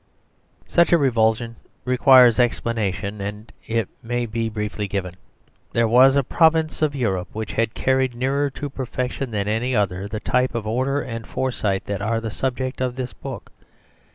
Such a revulsion requires explanation, and it may be briefly given. There was a province of Europe which had carried nearer to perfection than any other the type of order and foresight that are the subject of this book.